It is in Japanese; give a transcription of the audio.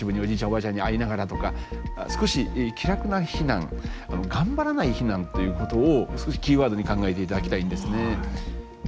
おばあちゃんに会いながらとか少し気楽な避難頑張らない避難ということをキーワードに考えていただきたいんですね。